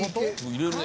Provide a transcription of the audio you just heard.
入れるね。